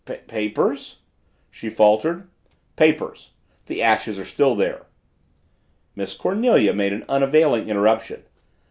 "Papers!" she faltered. "Papers! The ashes are still there." Miss Cornelia made an unavailing interruption.